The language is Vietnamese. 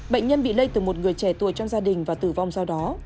bệnh nhân bị lây từ một người trẻ tuổi trong gia đình và tử vong sau đó